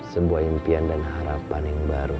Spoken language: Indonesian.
sebuah impian dan harapan yang baru